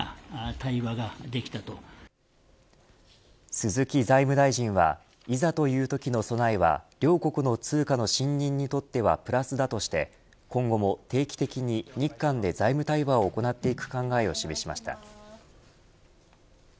鈴木財務大臣はいざというときの備えは両国の通貨の信認にとってはプラスだとして今後も、定期的に日韓で財務対話を行っていく考えを示しました。